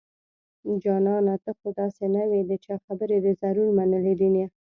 جانانه ته خو داسې نه وي د چا خبرې دې ضرور منلي دينه